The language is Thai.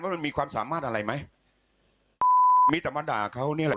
มันมีความสามารถอะไรไหมมีแต่มาด่าเขานี่แหละ